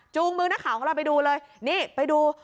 มือนักข่าวของเราไปดูเลยนี่ไปดู